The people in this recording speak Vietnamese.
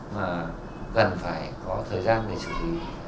mà gần phải có thời gian để xử lý